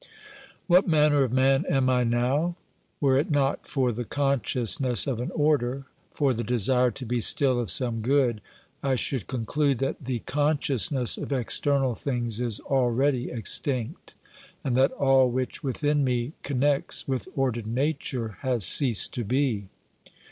What manner of man am I now ? Were it not for the consciousness of an order, for the desire to be still of some good, I should conclude that the consciousness of external things is already extinct, and that all which within me con nects with ordered Nature has ceased to be.